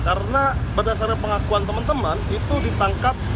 karena berdasarkan pengakuan teman teman itu ditangkap